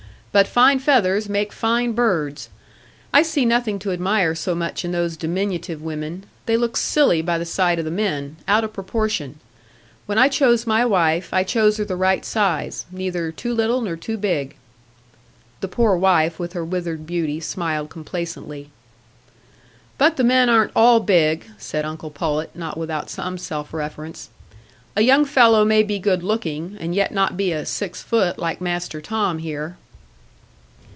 But fine feathers make fine birds. I see nothing to admire so much in those diminutive women; they look silly by the side o' the men,—out o' proportion. When I chose my wife, I chose her the right size,—neither too little nor too big." The poor wife, with her withered beauty, smiled complacently. "But the men aren't all big," said uncle Pullet, not without some self reference; "a young fellow may be good looking and yet not be a six foot, like Master Tom here.